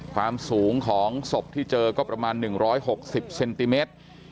ความสูงของศพที่เจอก็ประมาณ๑๖๐เซนติเมตร